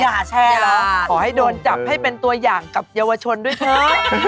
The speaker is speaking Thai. อย่าแชร์เหรอขอให้โดนจับให้เป็นตัวอย่างกับเยาวชนด้วยเถอะ